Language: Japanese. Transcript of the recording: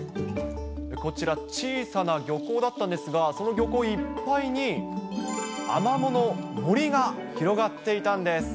こちら、小さな漁港だったんですが、その漁港いっぱいに、アマモの森が広がっていたんです。